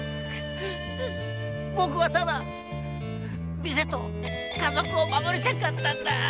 ぼくはただ店と家族を守りたかったんだ！